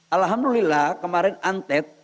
alhamdulillah kemarin antet